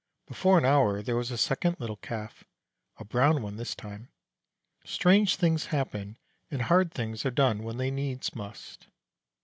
Before an hour, there was a second little Calf a brown one this time. Strange things happen, and hard things are done when they needs must.